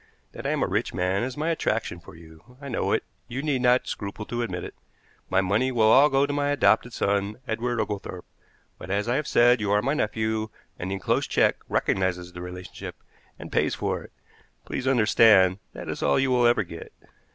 That I am a rich man is my attraction for you. I know it; you need not scruple to admit it. My money will all go to my adopted son, Edward Oglethorpe; but, as I have said, you are my nephew, and the enclosed check recognizes the relationship, and pays for it. Please understand that it is all you will ever get."